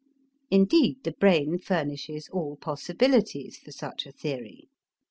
Indeed, the brain furnishes all possibilities for such a theory.